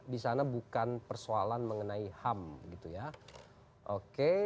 di sana bukan persoalan mengenai ham gitu ya oke